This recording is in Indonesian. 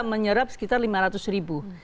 menyerap sekitar rp lima ratus